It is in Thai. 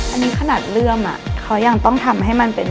อันนี้ขนาดเลื่อมเขายังต้องทำให้มันเป็น